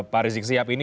pak rizik siap ini